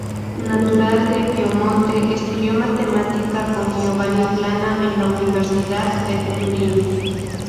Natural del Piamonte, estudió Matemática con Giovanni Plana en la Universidad de Turín.